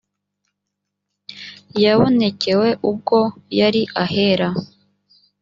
yabonekewe ubwo yari ahera